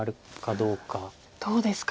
どうですか。